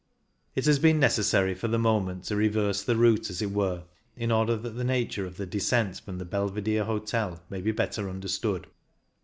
It has been necessary for the moment to reverse the route, as it were, in order that the nature of the descent from the Belvidere Hotel may be better understood.